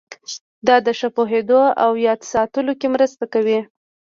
دا د ښه پوهېدو او یاد ساتلو کې مرسته کوي.